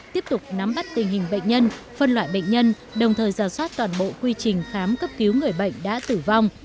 tiếp tục nắm bắt tình hình bệnh nhân phân loại bệnh nhân đồng thời giả soát toàn bộ quy trình khám cấp cứu người bệnh đã tử vong